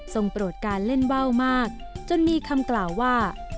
โปรดการเล่นว่าวมากจนมีคำกล่าวว่า